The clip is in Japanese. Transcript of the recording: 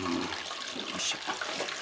よいしょ。